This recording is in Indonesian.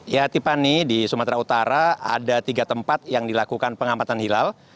ya tipani di sumatera utara ada tiga tempat yang dilakukan pengamatan hilal